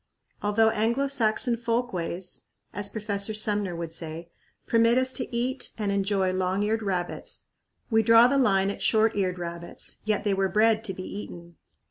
Although Anglo Saxon "folkways," as Professor Sumner would say, permit us to eat and enjoy long eared rabbits, we draw the line at short eared rabbits, yet they were bred to be eaten.